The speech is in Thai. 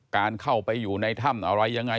การเข้าไปอยู่ในถ้ำอะไรยังไง